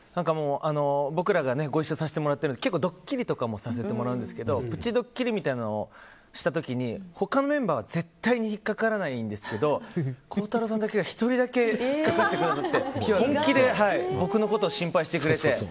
僕らがご一緒させていただいている番組はドッキリとかが多いんですがプチドッキリをした時に他のメンバーは絶対に引っかからないんですけど孝太郎さん１人だけ引っかかってくださって本気で僕のことを心配してくれて。